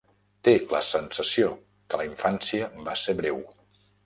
Té la sensació que la infància va ser breu.